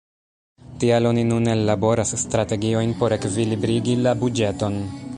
Tial oni nun ellaboras strategiojn por ekvilibrigi la buĝeton.